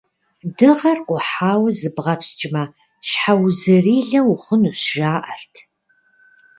Дыгъэр къухьауэ зыбгъэпскӀмэ, щхьэузырилэ ухъунущ, жаӀэрт.